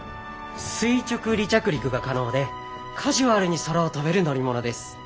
垂直離着陸が可能でカジュアルに空を飛べる乗り物です。